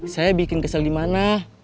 saya bikin kesel di mana